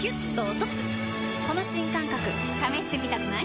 この新感覚試してみたくない？